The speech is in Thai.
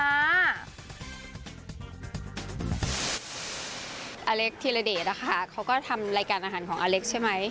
อาเล็กธิระเดชนะคะเขาก็ทำรายการอาหารของอเล็กใช่ไหม